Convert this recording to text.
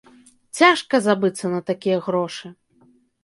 Цяжка забыцца на такія грошы.